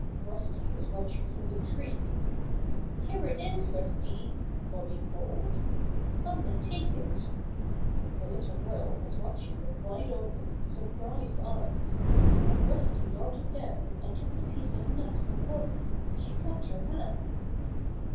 Rusty was watching from the tree. *'Here it is, Rusty 1" Bobby called. ^'Come and take it." The little girl was watching with wide open, surprised eyes, and when Rusty darted down and took the piece of nut from Bobby she clapped her hands.